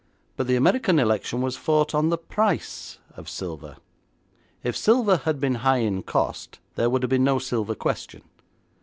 But the American election was fought on the price of silver. If silver had been high in cost, there would have been no silver question.